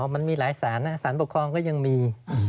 มันมีหลายศาลศาลปกครองก็ยังมี